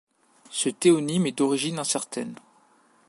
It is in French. Ce théonyme est d'origine incertaines.